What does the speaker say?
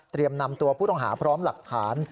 นำตัวผู้ต้องหาพร้อมหลักฐาน